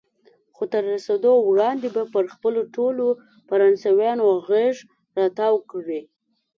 خو تر رسېدو وړاندې به پر هغوی ټولو فرانسویان غېږ را تاو کړي.